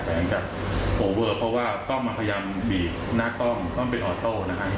เหมือนกับโอเวอร์เพราะว่ากล้องมันพยายามบีบหน้ากล้องต้องเป็นออโต้นะฮะ